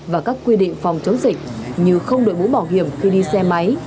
và các quy định phòng chống dịch như không đội bũ bảo hiểm khi đi xe máy